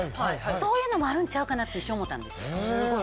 そういうのもあるんちゃうかなって一瞬思ったんですよ。